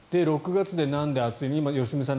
６月でなんで暑いの。